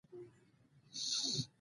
دا سیستم له پروګرام سره سم مخکې ځي